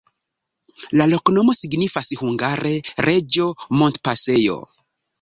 La loknomo signifas hungare: reĝo-montpasejo.